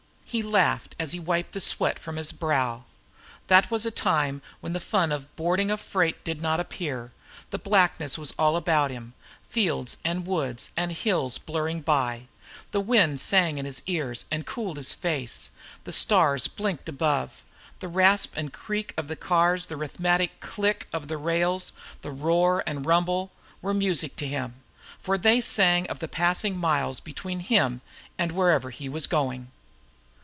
He laughed as he wiped the sweat from his brow. That was a time when the fun of boarding a freight did not appear. The blackness was all about him now; fields and woods and hills blurring by. The wind sang in his ears and cooled his face. The stars blinked above. The rasp and creak of the cars, the rhythmic click of the rails, the roar and rumble, were music to him, for they sang of the passing miles between him and wherever he was going.